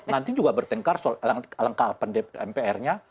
nanti juga bertengkar soal alangkapan mprnya